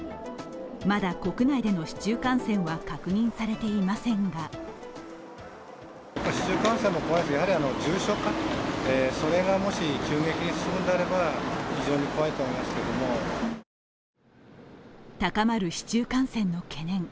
まだ国内での市中感染は確認されていませんが高まる市中感染の懸念。